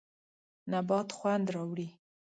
نبات خوند راوړي.